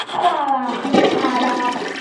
葱叶兰为兰科葱叶兰属下的一个种。